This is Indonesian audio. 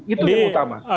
itu yang utama